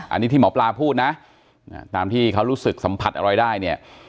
อันนี้ที่หมอปลาพูดนะตามที่เขารู้สึกสัมผัสอะไรได้เนี่ย